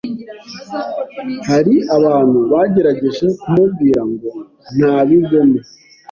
hari abantu bagerageje kumubwira ngo nabivemo